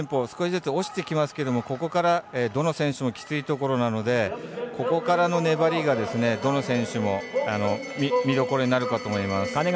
少しずつ落ちてきますけどここから、どの選手もきついところなのでここからの粘りが、どの選手も見どころになるかと思います。